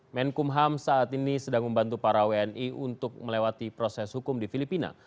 menkumham saat ini sedang membantu para wni untuk melewati proses hukum di filipina